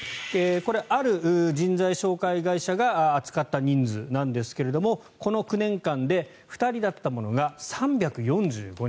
これはある人材紹介会社が扱った人数なんですがこの９年間で２人だったものが３４５人。